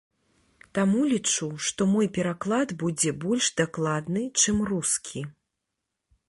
Таму лічу, што мой пераклад будзе больш дакладны, чым рускі.